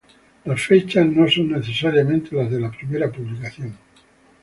Las fechas no son necesariamente las de la primera publicación.